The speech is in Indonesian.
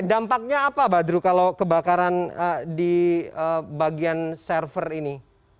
dampaknya apa badru kalau kebakaran di bagian server ini